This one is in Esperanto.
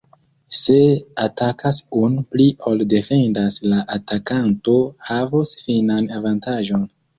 Se atakas unu pli ol defendas, la atakanto havos finan avantaĝon.